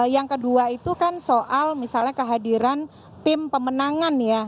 yang kedua itu kan soal misalnya kehadiran tim pemenangan ya